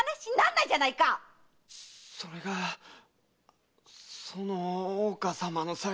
それがその大岡様の財布を。